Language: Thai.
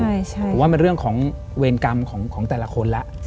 ผมว่ามันเรื่องของเวรกรรมของแต่ละคนแล้ว